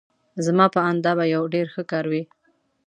زما په آند دا به یو ډېر ښه کار وي.